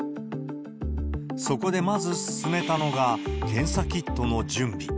そこでまず進めたのが検査キットの準備。